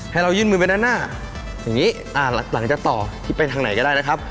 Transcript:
ให้เรายื่นมือไปด้านหน้าอย่างนี้หลังจากต่อที่ไปทางไหนก็ได้นะครับ